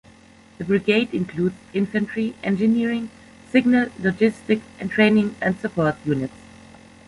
The brigade includes infantry, engineering, signal, logistic and training and support units.